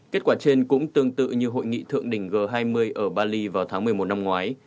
kết quả trên cũng tương tự như hội nghị thượng đỉnh g hai mươi ở bali vào tháng một mươi một năm ngoái